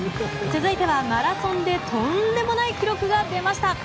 続いてはマラソンでとんでもない記録が出ました。